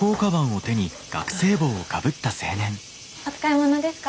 お使いものですか？